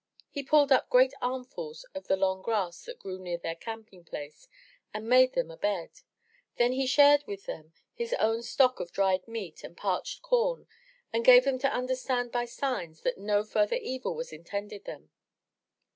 He pulled up great armfuls of the long grass that grew near their camping place and made them a bed. Then he shared with them his own stock of dried meat and parched corn and gave them to imderstand by signs that no further evil was intended them.